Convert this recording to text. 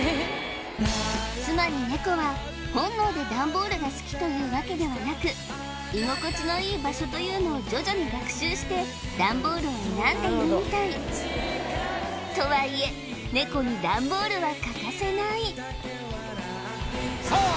つまりネコは本能でダンボールが好きというわけではなく居心地のいい場所というのを徐々に学習してダンボールを選んでいるみたいとはいえネコにダンボールは欠かせないさあ